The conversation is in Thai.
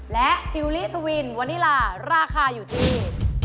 และทิวลิทวินวานิลาราคาอยู่ที่